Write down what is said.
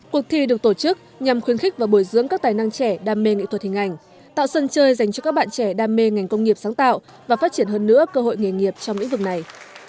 cuộc thi được tổ chức nhằm khuyến khích và bồi dưỡng các tài năng trẻ đam mê nghệ thuật hình ảnh tạo sân chơi dành cho các bạn trẻ đam mê ngành công nghiệp sáng tạo và phát triển hơn nữa cơ hội nghề nghiệp trong lĩnh vực này